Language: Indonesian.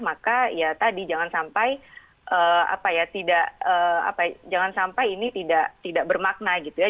maka ya tadi jangan sampai jangan sampai ini tidak bermakna gitu ya